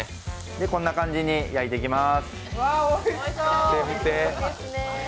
こんな感じに焼いていきます。